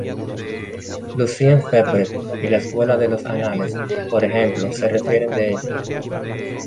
Lucien Febvre y la Escuela de los Annales por ejemplo se refieren de ella.